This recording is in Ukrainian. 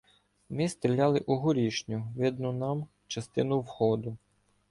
Ми стріляли у горішню, видну нам, частину входу.